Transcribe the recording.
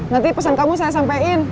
nanti pesan kamu saya sampein